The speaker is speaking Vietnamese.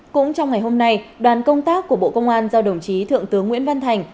cũng trong ngày hôm nay đoàn công tác của bộ công an do đồng chí thượng tướng nguyễn văn thành